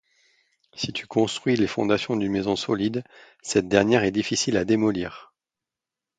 Si tu construis les fondations d’une maison solide, cette dernière est difficile à démolir.